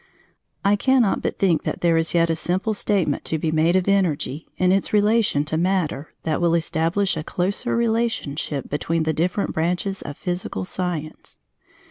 I cannot but think that there is yet a simple statement to be made of Energy in its relation to Matter that will establish a closer relationship between the different branches of physical science.